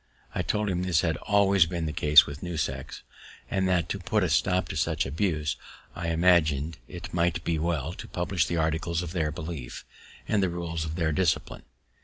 I told him this had always been the case with new sects, and that, to put a stop to such abuse, I imagin'd it might be well to publish the articles of their belief, and the rules of their discipline.